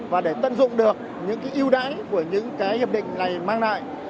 và để tận dụng được những yêu đáy của những hiệp định này mang lại